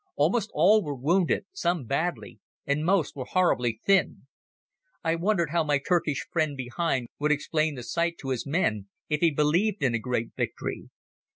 Almost all were wounded, some badly, and most were horribly thin. I wondered how my Turkish friend behind would explain the sight to his men, if he believed in a great victory.